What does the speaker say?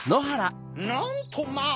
なんとまぁ！